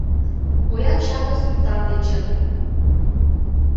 Поян чапле суртан дечын